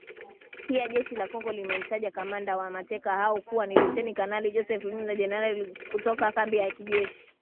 Pia, jeshi la Kongo limemtaja kamanda wa mateka hao kuwa ni Luteni Kanali Joseph Rurindo na Generali Eugene Nkubito, kutoka kambi ya kijeshi